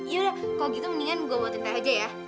ya sudah kalau begitu sebaiknya aku buatkan teh saja ya